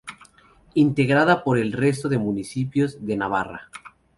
Integrada por el resto de municipios de Navarra.